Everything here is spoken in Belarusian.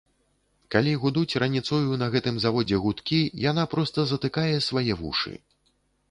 Калі гудуць раніцою на гэтым заводзе гудкі, яна проста затыкае свае вушы.